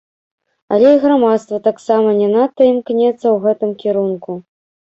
Але і грамадства таксама не надта імкнецца ў гэтым кірунку.